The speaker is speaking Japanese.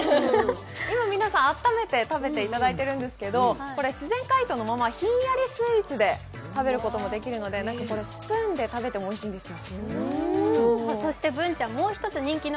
今皆さんあっためて食べていただいているんですけどこれ、自然解凍のまま、ひんやりスイーツで食べることもできるので、これ、スプーンで食べてもおいしいんですよ。